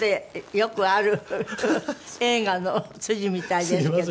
よくある映画の筋みたいですけど。